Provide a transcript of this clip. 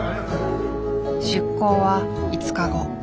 出航は５日後。